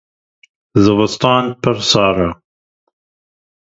Zivistan pir sar e.